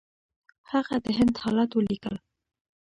هغه د هند حالات ولیکل.